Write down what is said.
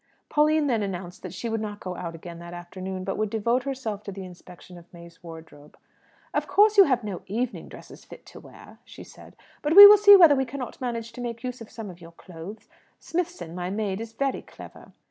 Pauline then announced that she would not go out again that afternoon, but would devote herself to the inspection of May's wardrobe. "Of course you have no evening dresses fit to wear," she said; "but we will see whether we cannot manage to make use of some of your clothes. Smithson, my maid, is very clever."